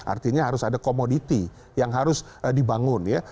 artinya harus ada komoditi yang harus dibangun ya